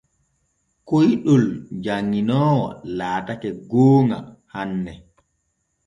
Koyɗol janŋoowo laatake gooŋa hanne.